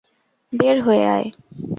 বের হয়ে আয়!